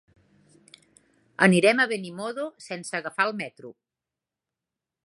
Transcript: Anirem a Benimodo sense agafar el metro.